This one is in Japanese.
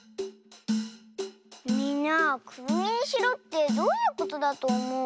みんなくるみにしろってどういうことだとおもう？